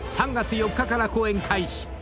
［３月４日から公演開始。